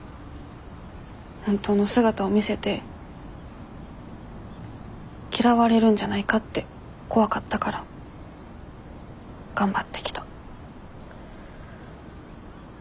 本当の姿を見せて嫌われるんじゃないかって怖かったから頑張ってきた。